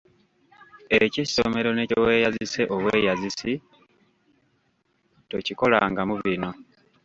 Eky'essomero ne kye weeyazise obweyazisi, tokikolangamu bino.